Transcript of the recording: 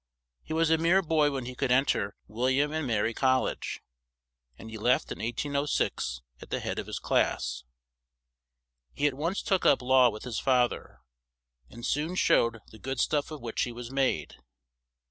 He was a mere boy when he could en ter Wil liam and Ma ry Col lege; and he left in 1806 at the head of his class. He at once took up law with his fa ther, and soon showed the good stuff of which he was made.